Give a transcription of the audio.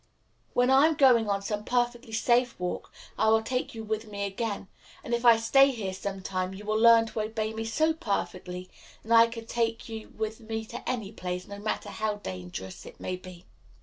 When I am going on some perfectly safe walk I will take you with me again; and if I stay here some time you will learn to obey me so perfectly that I can take you with me to any place, no matter how dangerous it may be."